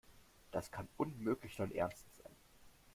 Das kann unmöglich dein Ernst sein.